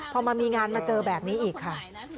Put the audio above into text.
พอมามีงานมาเจอแบบนี้อีกค่ะ